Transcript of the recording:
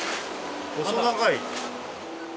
細長い。